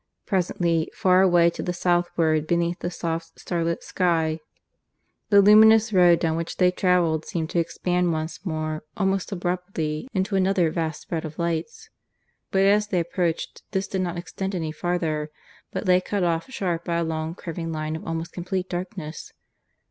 Presently, far away to the southward beneath the soft starlit sky, the luminous road down which they travelled seemed to expand once more almost abruptly into another vast spread of lights. But as they approached this did not extend any farther, but lay cut off sharp by a long, curving line of almost complete darkness.